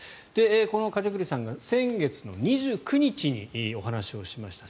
この梶栗さんが先月２９日にお話をしました。